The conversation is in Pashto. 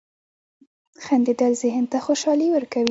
• خندېدل ذهن ته خوشحالي ورکوي.